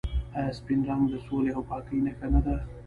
آیا سپین رنګ د سولې او پاکۍ نښه نه ده؟